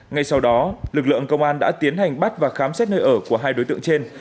ngay sau đó lực lượng công an đã tiến hành bắt và khám xét nơi ở của hai đối tượng trên